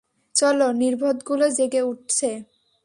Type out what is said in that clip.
চলো, নির্বোধগুলো জেগে উঠছে।